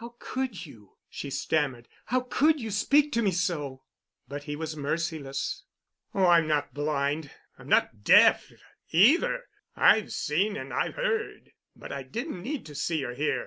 "How could you?" she stammered. "How could you speak to me so?" But he was merciless. "Oh, I'm not blind, and I'm not deaf, either. I've seen and I've heard. But I didn't need to see or to hear.